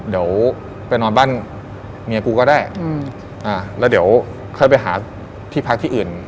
เดี๋ยวไปนอนบ้านเมียกูก็ได้อืมอ่าแล้วเดี๋ยวค่อยไปหาที่พักที่อื่น